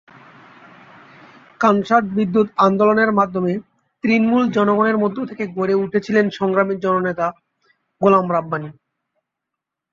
কানসাট-বিদ্যুৎ আন্দোলনের মাধ্যমে তৃণমূল জনগণের মধ্যে থেকে গড়ে উঠেছিলেন সংগ্রামী জননেতা- গোলাম রাব্বানী।